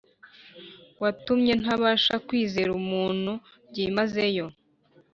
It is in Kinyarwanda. watumye ntabasha kwizera umuntu byimazeyo.